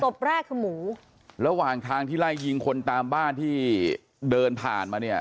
ศพแรกคือหมูระหว่างทางที่ไล่ยิงคนตามบ้านที่เดินผ่านมาเนี่ย